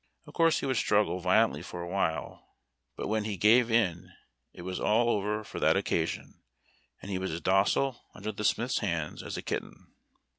Of course, he would struggle violently for a while, but when he gave in it was all over for that occasion, and he was as docile under the smith's hands as a kitten.